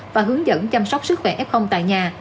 và hướng dẫn chăm sóc sức khỏe f tại nhà